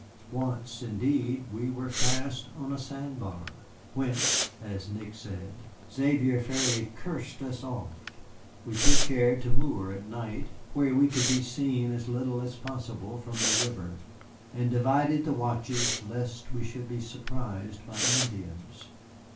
Once, indeed, we were fast on a sand bar, whence (as Nick said) Xavier fairly cursed us off. We took care to moor at night, where we could be seen as little as possible from the river, and divided the watches lest we should be surprised by Indians.